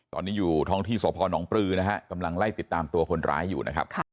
ตอนนี้อยู่ท้องที่สพนปลือนะฮะกำลังไล่ติดตามตัวคนร้ายอยู่นะครับ